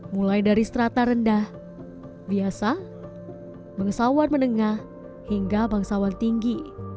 mulai dari strata rendah biasa bangsawan menengah hingga bangsawan tinggi